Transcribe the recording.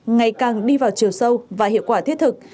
ngày càng đi vào chiều sâu và hiệu quả thiết thực